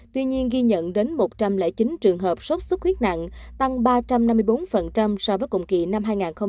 tuy nhiên ghi nhận đến một trăm linh chín trường hợp sốt xuất huyết nặng tăng ba trăm năm mươi bốn so với cùng kỳ năm hai nghìn một mươi tám